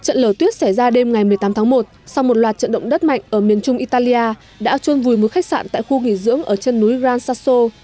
trận lở tuyết xảy ra đêm ngày một mươi tám tháng một sau một loạt trận động đất mạnh ở miền trung italia đã trôn vùi một khách sạn tại khu nghỉ dưỡng ở chân núi ran saso